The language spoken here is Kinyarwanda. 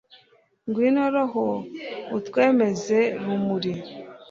ngwino roho utwemeza, rumuri